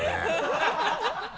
ハハハ